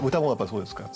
そうですね。